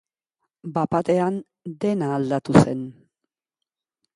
Bat-batean, dena aldatu zen.